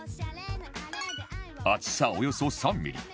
厚さおよそ３ミリ